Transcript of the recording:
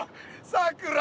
さくら